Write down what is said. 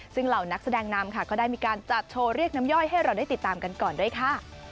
ซึ่งเหล่านักแสดงนำค่ะก็ได้มีการจัดโชว์เรียกน้ำย่อยให้เราได้ติดตามกันก่อนด้วยค่ะ